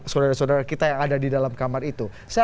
saudara saudara kita yang ada di dalam kamar itu